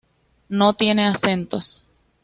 No tiene acentos.